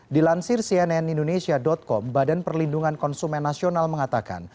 dilansir cnn indonesia com badan perlindungan konsumen nasional mengatakan